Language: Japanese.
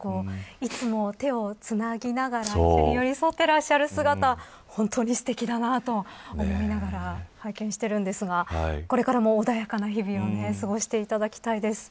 いつも手をつなぎながら寄り添っていらっしゃる姿本当にすてきだなと思いながら拝見しているんですがこれからも穏やかな日々を過ごしていただきたいです。